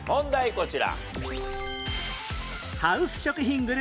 こちら。